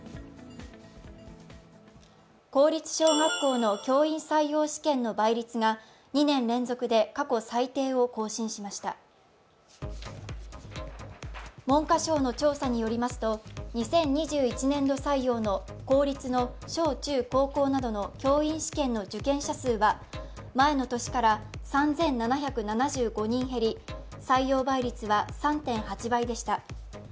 公立小学校の教員採用試験の倍率が２年連続で過去最低を更新しました文科省の調査によりますと２０２１年度採用の公立の小・中・高校などの教員試験の受験者数は前の年から３７７５人減り、採用倍率は３．８倍でした。